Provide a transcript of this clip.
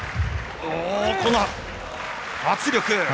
この圧力！